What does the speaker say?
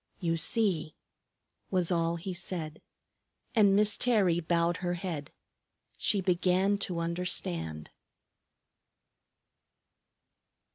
"You see!" was all he said. And Miss Terry bowed her head. She began to understand.